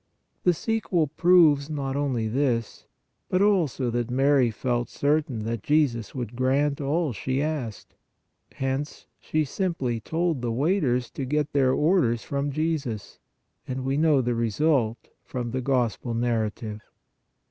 The sequel proves not only this, but also that Mary felt certain that Jesus would grant all she asked. Hence she simply told the waiters to get their orders from Jesus, and we know the result from the Gospel narrative.